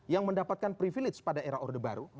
yang mendapatkan privilege pada era orde baru